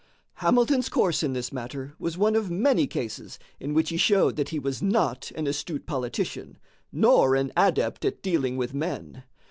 Hamilton's course in this matter was one of many cases in which he showed that he was not an astute politician, nor an adept at dealing with men.